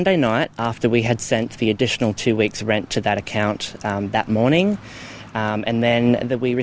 dari orang itu meminta uang deposit selama dua minggu